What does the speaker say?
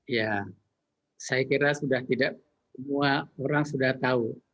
ya saya kira sudah tidak semua orang sudah tahu